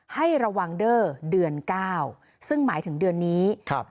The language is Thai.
ให้ระวังเด้อเดือน๙ซึ่งหมายถึงเดือนนี้